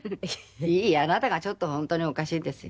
あなたがちょっと本当におかしいんですよ。